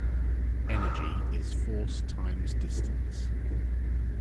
Energy is force times distance.